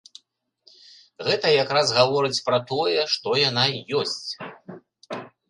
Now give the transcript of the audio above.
Гэта якраз гаворыць пра тое, што яна ёсць.